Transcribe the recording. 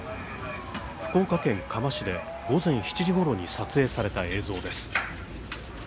福岡県嘉麻市で午前７時ごろに撮影された映像です。